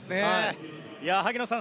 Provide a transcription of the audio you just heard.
萩野さん